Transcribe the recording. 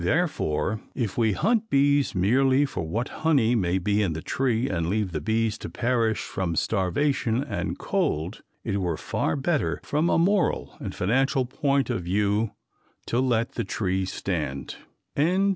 Therefore, if we hunt bees merely for what honey may be in the tree and leave the bees to perish from starvation and cold, it were far better, from a moral and financial point of view, to let the tree stand.